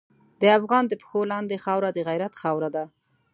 د افغان د پښو لاندې خاوره د غیرت خاوره ده.